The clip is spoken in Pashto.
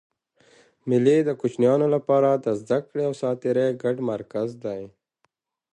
مېلې د کوچنيانو له پاره د زدهکړي او ساتېري ګډ مرکز دئ.